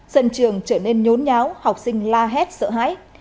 sân trường trở nên nhốn nháo học sinh la hét sợ hãi